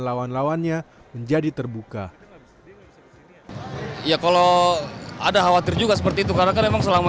lawan lawannya menjadi terbuka ya kalau ada khawatir juga seperti itu karena kan emang selama